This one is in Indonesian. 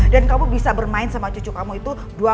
dan kamu bisa bermain sama cucu kamu itu